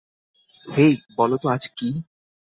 হেই, বলো তো আজ কী?